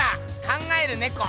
「考えるねこ」。